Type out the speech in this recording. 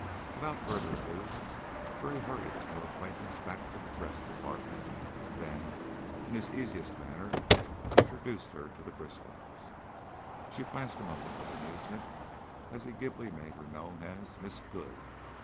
Without further ado, Gray hurried his new acquaintance back to the dress department, then, in his easiest manner, introduced her to the Briskows. She flashed him a look of amusement as he glibly made her known as "Miss Good."